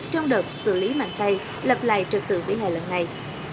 trong đợt xử lý mạng cây lập lại trật tự vĩ hài lần này